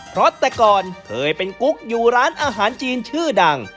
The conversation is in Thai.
เพราะแต่ก่อนเคยเป็นกุ๊กอยู่ร้านอาหารจีนชื่อดัง